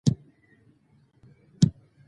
د ښځینه تعلیم وده د سیمه ایز ثبات لامل ده.